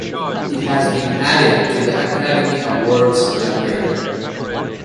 It has been added to the Academy Awards library